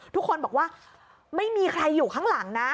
ทุกคนบอกว่าไม่มีใครอยู่ข้างหลังนะ